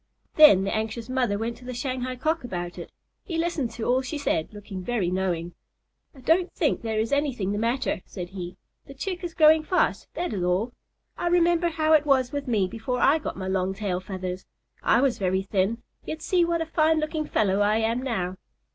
Then the anxious mother went to the Shanghai Cock about it. He listened to all she said and looked very knowing. "I don't think there is anything the matter," said he. "The Chick is growing fast, that is all. I remember how it was with me before I got my long tail feathers. I was very thin, yet see what a fine looking fellow I am now."